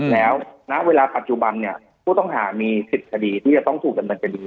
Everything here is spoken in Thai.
แล้วณเวลาปัจจุบันเนี่ยผู้ต้องหามี๑๐คดีที่จะต้องถูกดำเนินคดี